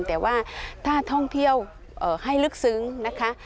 แต่ว่าถ้าท่องเที่ยวให้ลึกซึ้งนะคะ